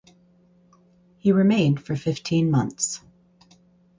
He remained for fifteen months.